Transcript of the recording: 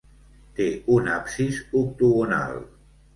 Té un absis octogonal.